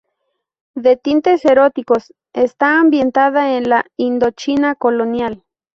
De tintes eróticos, está ambientada en la Indochina colonial.